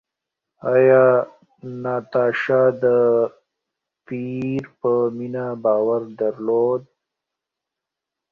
ایا ناتاشا د پییر په مینه باور درلود؟